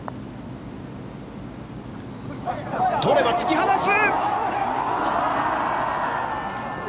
取れば突き放す。